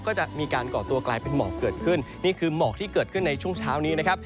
ก็จะมีการก่อตัวกลายเป็นหมอกเกิดขึ้นนี่คือหมอกที่เกิดขึ้นในช่วงเช้านี้นะครับ